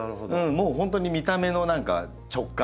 もう本当に見た目の何か直感ですね。